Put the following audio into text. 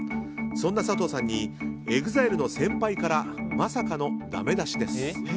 そんな佐藤さんにＥＸＩＬＥの先輩からまさかのだめ出しです。